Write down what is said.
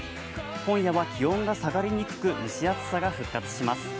今夜は気温が下がりにくく蒸し暑さが復活します。